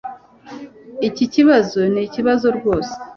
iki kibazo nikibazo rwose